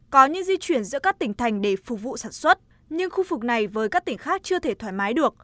có những di chuyển giữa các tỉnh thành để phục vụ sản xuất nhưng khu vực này với các tỉnh khác chưa thể thoải mái được